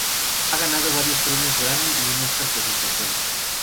Ha ganado varios premios Grammy y un Óscar por sus canciones.